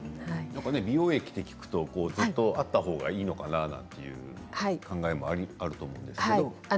美容液と聞くとずっとあったほうがいいのかなって考えもあると思うんですけど。